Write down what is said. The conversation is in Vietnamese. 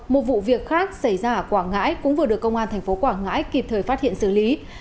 một vụ việc khác xảy ra ở quảng ngãi cũng vừa được công an thành phố quảng ngãi kịp thời phát hiện xử lý